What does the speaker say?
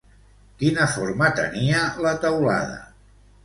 Quina forma tenia la teulada?